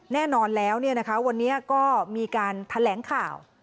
แน่นอนแล้ววันนี้ก็มีการแถลงข่าว